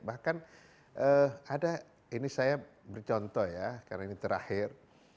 bahkan ada ini saya bercontoh ya karena ini terakhir